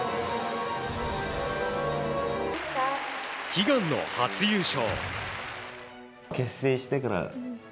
悲願の初優勝。